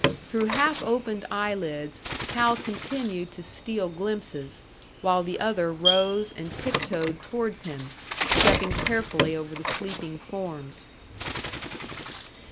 Through half opened eye lids Hal continued to steal glimpses, while the other rose and tip toed towards him, stepping carefully over the sleeping forms.